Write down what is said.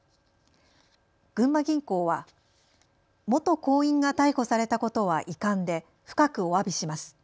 群馬銀行は元行員が逮捕されたことは遺憾で深くおわびします。